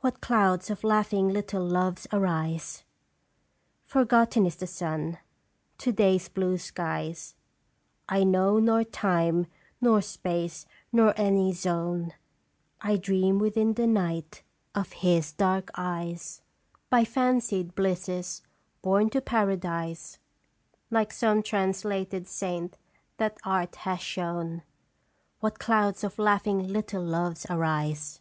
What clouds of laughing little Loves arise !'* Forgotten is the sun, to day's blue skies, I know nor time nor space nor any zone ; I dream within the night of his dark eyes 82 Qt Strag "By fancied blisses borne to Paradise, Like some translated saint that Art has shown. What clouds of laughing little Loves arise